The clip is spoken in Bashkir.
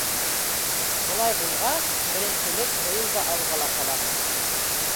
Былай булғас, беренселек быйыл да «Алға»ла ҡала.